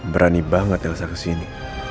berani banget elsa ke sini